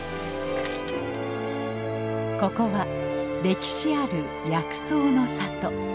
ここは歴史ある薬草の里。